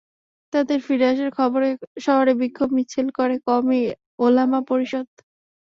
তাঁদের ফিরে আসার খবরে শহরে বিক্ষোভ মিছিল করে কওমি ওলামা পরিষদ।